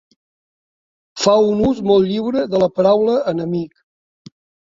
Fa un ús molt lliure de la paraula enemic.